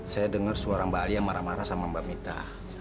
saya dengar suara mbak alia marah marah sama mbak mita